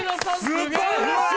すごーい！